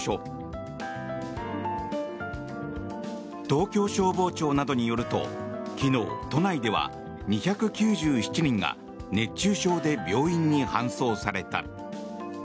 東京消防庁などによると昨日、都内では２９７人が熱中症で病院に搬送された。